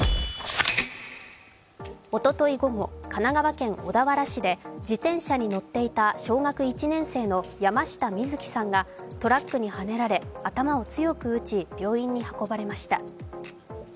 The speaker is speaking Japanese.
おととい午後、神奈川県小田原市で自転車に乗っていた小学１年生の山下瑞葵さんがトラックにはねられ頭を強く打ち病院に運ばれました。